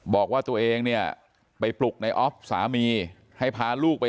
บอกว่าตัวเองเนี่ยไปปลุกในออฟสามีให้พาลูกไป